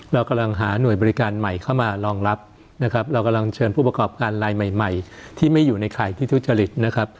เรากำลังหาหน่วยบริการใหม่เข้ามารองรับนะครับเรากำลังเชิญผู้ประกอบการลายใหม่ใหม่ที่ไม่อยู่ในข่ายที่ทุจริตนะครับ